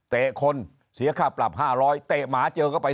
เตะคนเสียค่าปรับ๕๐๐เตะหมาเจอก็ไป๒๐๐๐๐